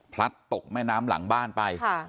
ตกแม่น้ำหลังบ้านไป